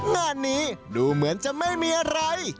งานนี้ดูเหมือนจะไม่มีอะไร